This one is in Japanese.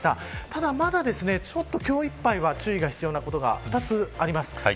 ただ、まだちょっと今日いっぱいは注意が必要なことが２つあります。